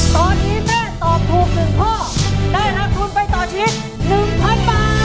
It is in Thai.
ตอนนี้แม่ตอบถูกถึงพ่อได้รับคุณไปต่อชิ้น๑๐๐๐บาท